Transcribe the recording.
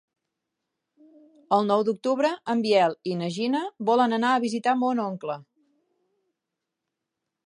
El nou d'octubre en Biel i na Gina volen anar a visitar mon oncle.